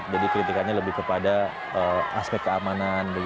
jadi kritikannya lebih kepada aspek keamanan